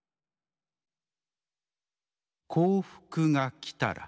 「『幸福』がきたら」。